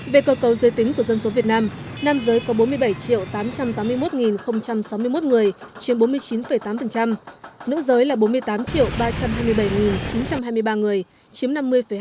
về cầu cầu giới tính của dân số việt nam nam giới có bốn mươi bảy tám trăm tám mươi một sáu mươi một người chiếm bốn mươi chín tám nữ giới là bốn mươi tám ba trăm hai mươi bảy chín trăm hai mươi ba người chiếm năm mươi hai